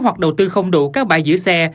hoặc đầu tư không đủ các bãi giữ xe